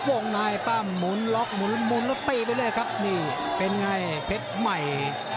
วงนายบ้างหมุนหลอกหมุนมรถตี้ไปเลยครับนี่เป็นไงเพชรใหม่